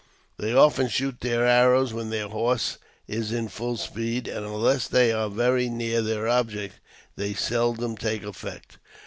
They often shoot their arrows when their horse is in full speed, and, unless they are very near their object, they seldom take effect